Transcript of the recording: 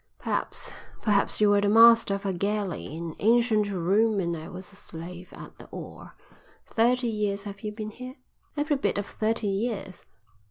Perhaps, perhaps you were the master of a galley in ancient Rome and I was a slave at the oar. Thirty years have you been here?" "Every bit of thirty years."